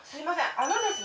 あのですね